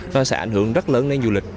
nó sẽ ảnh hưởng rất lớn đến du lịch